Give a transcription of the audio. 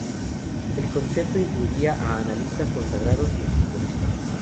El concepto incluiría a analistas consagrados y ex futbolistas.